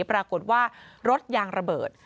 ปรากฏว่ารถยางระเบิด